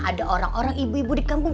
ada orang orang ibu ibu di kampung